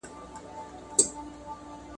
د حقایقو په لټه کي بهر ولاړ سه.